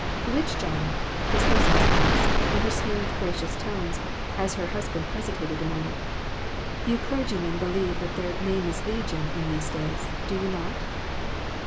"Which giant?" his hostess asked, in her smooth, gracious tones, as her husband hesitated a moment; "you clergymen believe that their ' name is Legion ' in these days, do you not